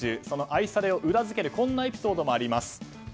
その愛されを裏付けるこんなエピソードもあります。